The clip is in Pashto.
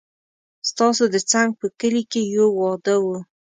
ستاسو د څنګ په کلي کې يو واده و